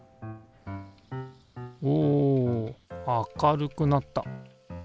お明るくなった。